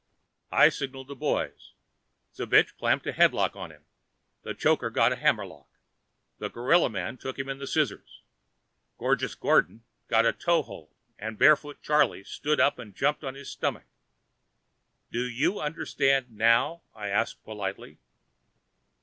I signaled to the boys. Zbich clamped a headlock on him. The Choker got a hammerlock. The Gorilla Man took him in a scissors. Gorgeous Gordon got a toehold and Barefoot Charley stood by to jump on his stomach. "Do you understand now?" I asked politely.